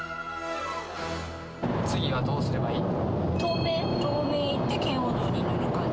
次はどうすればいい？